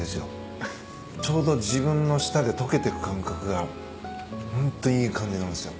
ちょうど自分の舌で溶けてく感覚がホントいい感じなんですよ。